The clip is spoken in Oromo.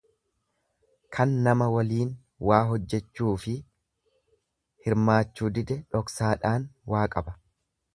Kan nama waliin waa hojjechuufi hirmaachuu dide dhoksaadhaan waa qaba.